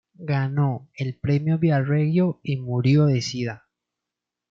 Ganó el Premio Viareggio y murió de sida.